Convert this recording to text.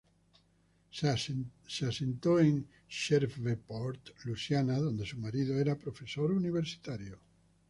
Se asentó en Shreveport, Luisiana, donde su marido era profesor universitario.